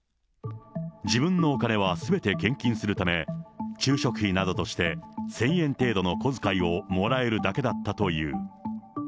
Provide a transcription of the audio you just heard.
自分のお金はすべて献金するため、昼食費などとして１０００円程度の小遣いをもらえる程度だったという。